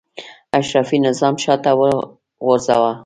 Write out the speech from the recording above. اشرافي نظام شاته وغورځاوه.